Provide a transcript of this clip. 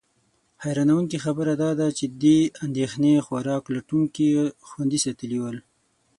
حیرانونکې خبره دا ده چې دې اندېښنې خوراک لټونکي خوندي ساتلي ول.